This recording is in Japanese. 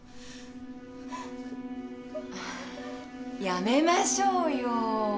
やめましょうよ。